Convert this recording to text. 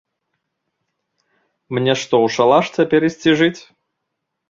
Мне што, у шалаш цяпер ісці жыць?